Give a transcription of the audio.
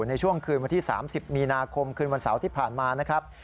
ในช่วงคืนวันที่๓๐มีนาคมคืนวันเสาร์ที่ผ่านมานะครับ